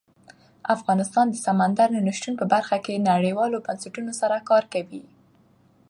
افغانستان د سمندر نه شتون په برخه کې نړیوالو بنسټونو سره کار کوي.